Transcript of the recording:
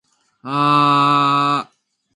あああああああああああ